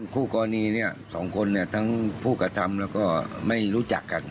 คู่กรณีเนี่ย๒คนทั้งผู้กระทำแล้วก็ไม่รู้จักกัน